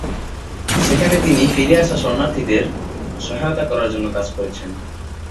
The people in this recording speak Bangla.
সেখানে তিনি ফিরে আসা শরণার্থীদের সহায়তা করার জন্য কাজ করছেন।